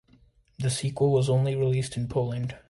The sequel was only released in Poland.